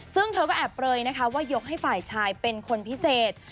ซึ่งเธอก็แอบเปลยนะคะว่ายกให้ฝ่ายชายเป็นคนพิเศษ